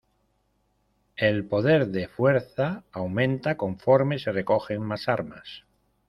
El poder de "Fuerza" aumenta conforme se recogen más armas.